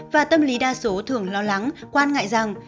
và tâm lý đa số thường lo lắng quan ngại rằng